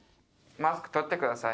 マスク取ってください。